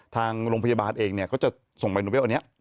ทางโรงพยาบาลเองก็จะส่งแปลหนุเบลอันนี้